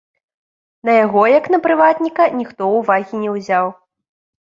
На яго, як на прыватніка, ніхто ўвагі не ўзяў.